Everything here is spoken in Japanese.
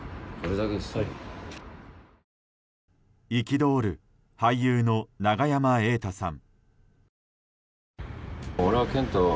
憤る俳優の永山瑛太さん。